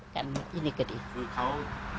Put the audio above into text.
คือต่อเปิ้ลเนี่ยก็ติดยา